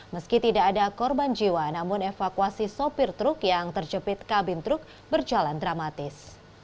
meski tidak ada korban jiwa namun evakuasi sopir truk yang terjepit kabin truk berjalan dramatis